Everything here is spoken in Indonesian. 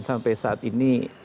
sampai saat ini